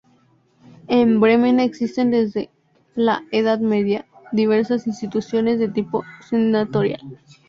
En Bremen existen desde la Edad Media diversas instituciones de tipo senatorial.